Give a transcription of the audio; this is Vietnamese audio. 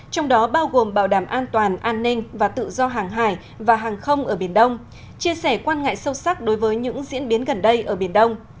trong đó bao gồm bảo đảm an toàn an ninh và tự do hàng hải và hàng không ở biển đông chia sẻ quan ngại sâu sắc đối với những diễn biến gần đây ở biển đông